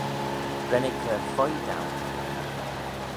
Ren eh cur fuygh daue.